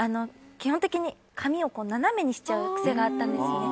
基本的に紙を斜めにしちゃう癖があったんですね。